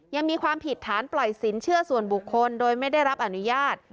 ยังมีความผิดฐานปล่อยสินเชื่อส่วนบุคคลโดยไม่ได้รับอนุญาต